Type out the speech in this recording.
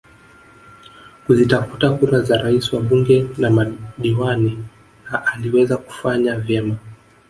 Kuzitafuta kura za Rais wabunge na madiwani na aliweza kufanya vyema